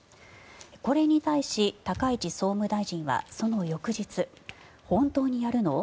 これに対し、高市総務大臣はその翌日本当にやるの？